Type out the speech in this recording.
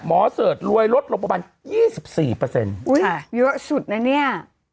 หมอเสิร์ตรวยลดลงประมาณยี่สิบสี่เปอร์เซ็นต์อุ๊ยเยอะสุดนะเนี่ย